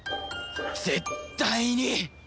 絶対に！